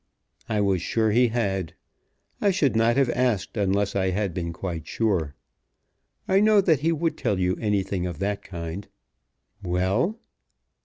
"I was sure he had. I should not have asked unless I had been quite sure. I know that he would tell you anything of that kind. Well?"